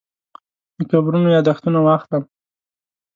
د قبرونو یاداښتونه واخلم.